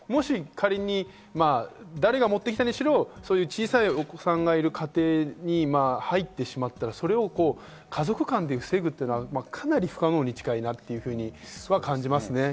仮に誰が持って来たにしろ小さいお子さんがいる家庭に入ってしまったら家族間で防ぐというのはかなり不可能に近いなと感じますね。